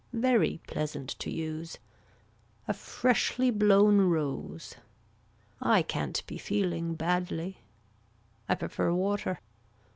Very pleasant to use. A freshly blown rose. I can't be feeling badly. I prefer water.